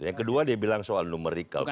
yang kedua dia bilang soal numerical